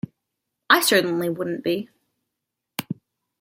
I certainly wouldn't be.